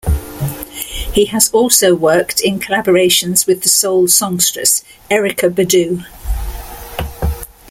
He has also worked in collaborations with soul songstress Erykah Badu.